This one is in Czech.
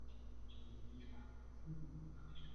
Patří k farnosti Davle.